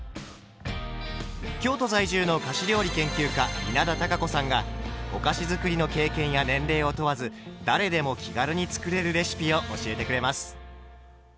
京都在住の菓子料理研究家稲田多佳子さんがお菓子づくりの経験や年齢を問わず誰でも気軽に作れるレシピを教えてくれます。